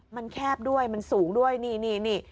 มันแคบด้วยมันสูงด้วยนี่